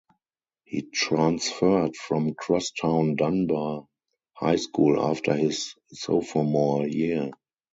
He transferred from crosstown Dunbar High School after his sophomore year.